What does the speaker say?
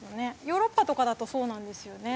ヨーロッパとかだとそうなんですよね。